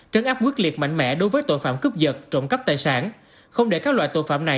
trấn áp quyết liệt mạnh mẽ đối với tội phạm cướp vật trộm cắp tài sản không để các loại tội phạm này